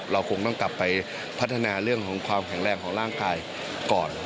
เราคงต้องกลับไปพัฒนาเรื่องของความแข็งแรงของร่างกายก่อน